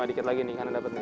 dikit lagi nih karena dapatnya